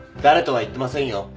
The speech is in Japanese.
誰とは言ってませんよ。